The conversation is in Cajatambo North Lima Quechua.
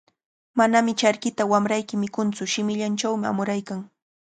Manami charkita wamrayki mikuntsu, shimillanchawmi amuraykan.